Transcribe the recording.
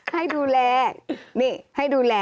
ให้ดูแลนี่ให้ดูแล